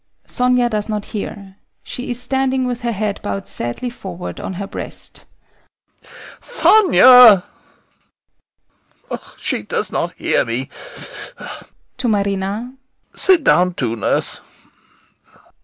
[SONIA does not hear. She is standing with her head bowed sadly forward on her breast] Sonia! [A pause] She does not hear me. [To MARINA] Sit down too, nurse.